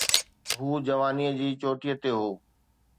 هو جوانيءَ جي چوٽيءَ تي هو.